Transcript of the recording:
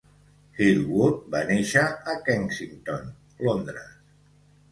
Hill-Wood va néixer a Kensington (Londres).